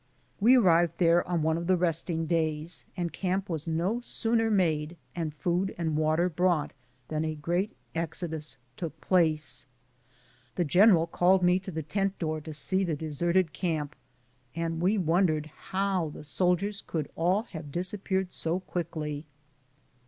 We arrived there on one of the resting days, ADVENTURES— THE LAST DAYS OF THE MARCH. 81 and camp was no sooner made, and food and water brought, than a great exodus took place. Tlie general called me to the tent door to see the deserted camp, and wondered how the soldiers could all have disappeared so quickly.